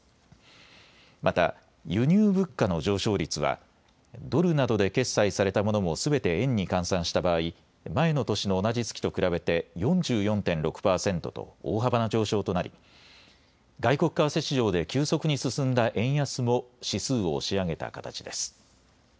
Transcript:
また輸入物価の上昇率はドルなどで決済されたものもすべて円に換算した場合、前の年の同じ月と比べて４４．６％と大幅な上昇となり外国為替市場で急速に進んだ円安も指数を押し上げた形です。